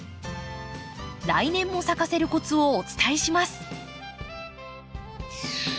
来年も咲かせるコツをお伝えします。